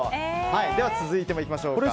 では続いて、いきましょうか。